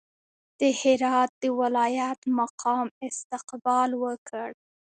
د هرات د ولایت مقام استقبال وکړ.